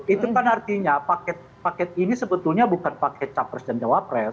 itu kan artinya paket ini sebetulnya bukan paket capres dan cawapres